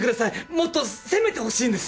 もっと攻めてほしいんです！